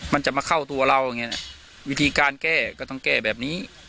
มันจะมาเข้าตัวเราอย่างนี้วิธีการแก้ก็ต้องแก้แบบนี้